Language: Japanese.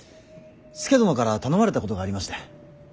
佐殿から頼まれたことがありまして。